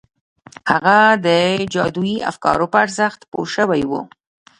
هغه د جادویي افکارو په ارزښت پوه شوی و